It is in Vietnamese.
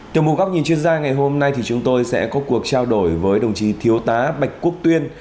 từ một góc nhìn chuyên gia ngày hôm nay thì chúng tôi sẽ có cuộc trao đổi với đồng chí thiếu tá bạch quốc tuyên